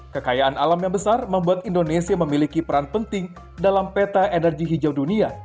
kekayaan alam yang besar membuat indonesia memiliki peran penting dalam peta energi hijau dunia